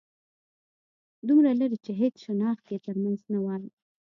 دومره لرې چې هيڅ شناخت يې تر منځ نه وای